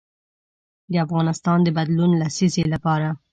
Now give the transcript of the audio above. د افغانستان د بدلون لسیزې لپاره.